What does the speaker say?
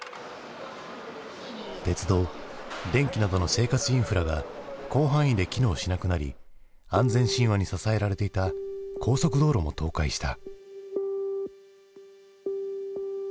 鉄道電気などの生活インフラが広範囲で機能しなくなり安全神話に支えられていた高速道路も倒壊した。